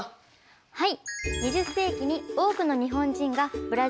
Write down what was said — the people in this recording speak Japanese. はい。